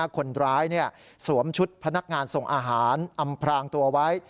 คนร้ายสวมชุดพนักงานส่งอาหารอำพรางตัวไว้